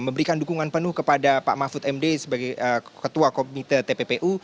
memberikan dukungan penuh kepada pak mahfud md sebagai ketua komite tppu